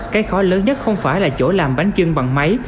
cái khó lớn nhất không phải là chỗ làm bánh trưng bằng máy